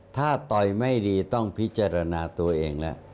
ถ้าต่อยไม่ดีต้องพิจารณาตัวเองแล้ว